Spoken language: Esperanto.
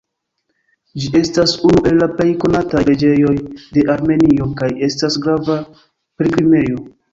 Ĝi estas unu el la plej konataj preĝejoj de Armenio kaj estas grava pilgrimejo.